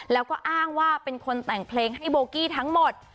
แล้วก็อ้างว่าเป็นคนแต่งเพลงให้โบกี้ทั้งหมด